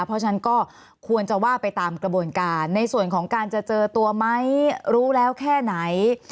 เพราะฉะนั้นก็ควรจะว่าไปตามกระบวนการในส่วนของการจะเจอตัวไหมรู้แล้วแค่ไหน